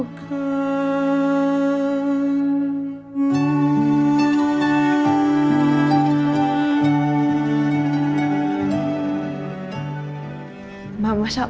sampai ketemu di rumah sakit